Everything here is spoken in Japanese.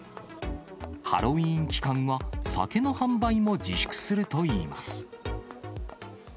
ハロウィーン期間は酒の販売も自粛するといいます。